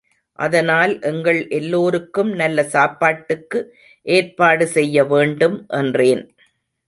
அதனால் எங்கள் எல்லோருக்கும் நல்ல சாப்பாட்டுக்கு ஏற்பாடு செய்ய வேண்டும் என்றேன்.